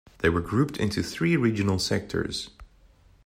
They were grouped into three regional sectors.